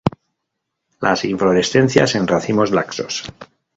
Las inflorescencias en racimos laxos.